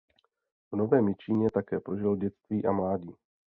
V Novém Jičíně také prožil dětství a mládí.